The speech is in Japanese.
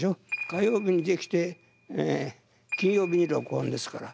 火曜日にできて金曜日に録音ですから。